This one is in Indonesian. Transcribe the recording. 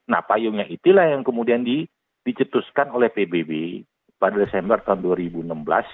nah payungnya itulah yang kemudian dicetuskan oleh pbb pada desember tahun dua ribu enam belas